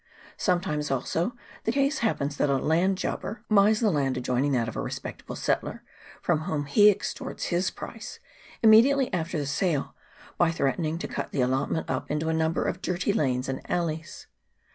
Sometimes also the case happens that a land jobber buys the land adjoining that of a re 14 GENERAL REMAR.KS. spectable settler, from whom he extorts his price, immediately after the sale, by threatening to cut the allotment up into a number of dirty lanes and alleys.